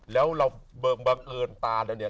แล้วเราบังเอิญตาเราเนี่ย